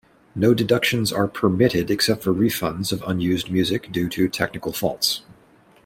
No deductions are permitted except for refunds of unused music due to technical faults.